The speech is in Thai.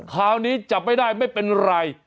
คราวนี้จับไม่ได้ไม่เป็นไร